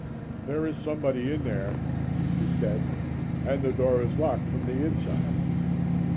"There is somebody in there," he said, "and the dock is locked from the inside."